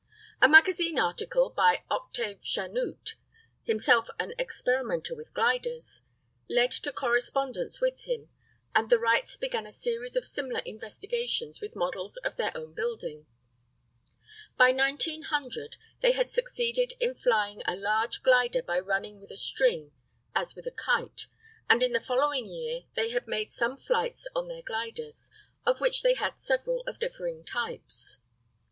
A magazine article by Octave Chanute, himself an experimenter with gliders, led to correspondence with him, and the Wrights began a series of similar investigations with models of their own building. By 1900 they had succeeded in flying a large glider by running with a string, as with a kite, and in the following year they had made some flights on their gliders, of which they had several of differing types.